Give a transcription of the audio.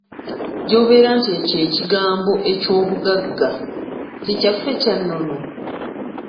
Gy’obeera nti ekigambo ekyo “obugagga” si kyaffe kya nnono!